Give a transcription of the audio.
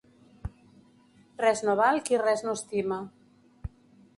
Res no val qui res no estima.